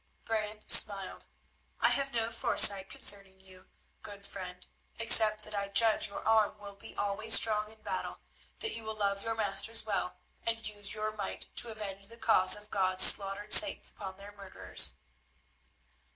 Brant smiled. "I have no foresight concerning you, good friend, except that I judge your arm will be always strong in battle; that you will love your masters well, and use your might to avenge the cause of God's slaughtered saints upon their murderers."